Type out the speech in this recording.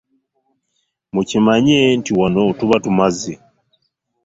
Mukimanye nti wano tuba tumaze.